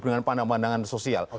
dengan pandangan pandangan sosial